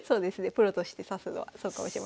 プロとして指すのはそうかもしれません。